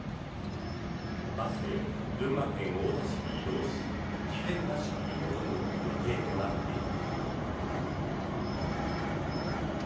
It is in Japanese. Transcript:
バスで群馬県太田市に移動し事前合宿に臨む予定となっている。